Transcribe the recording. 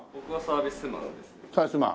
僕はサービスマンです。